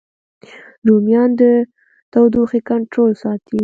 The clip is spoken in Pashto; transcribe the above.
رومیان د تودوخې کنټرول ساتي